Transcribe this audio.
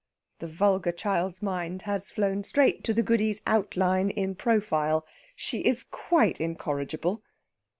The vulgar child's mind has flown straight to the Goody's outline in profile. She is quite incorrigible.